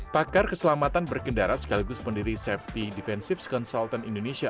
pakar keselamatan berkendara sekaligus pendiri safety defensives consultant indonesia